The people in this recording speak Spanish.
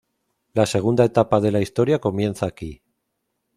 La segunda etapa de la historia comienza aquí.